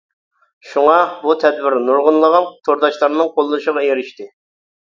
شۇڭا، بۇ تەدبىر نۇرغۇنلىغان تورداشلارنىڭ قوللىشىغا ئېرىشتى.